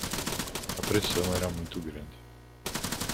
A pressão era muito grande